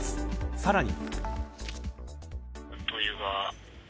さらに。